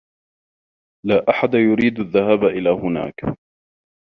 لا أحد يريد الذهاب إلى هناك.